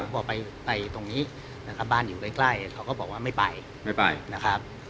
บอกไปตรงนี้นะครับบ้านอยู่ใกล้เขาก็บอกว่าไม่ไปไม่ไปนะครับ